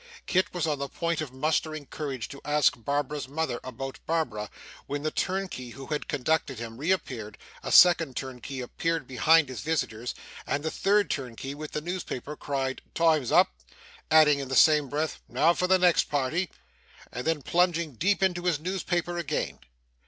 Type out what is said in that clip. Kit was on the point of mustering courage to ask Barbara's mother about Barbara, when the turnkey who had conducted him, reappeared, a second turnkey appeared behind his visitors, and the third turnkey with the newspaper cried 'Time's up!' adding in the same breath 'Now for the next party!' and then plunging deep into his newspaper again.